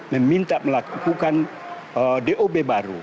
meminta melakukan dob baru